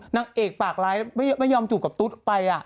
นางเอกปากร้ายไม่ยอมจูบกับตุ๊ดไป